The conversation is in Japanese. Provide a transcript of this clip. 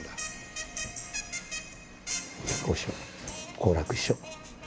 好楽師匠。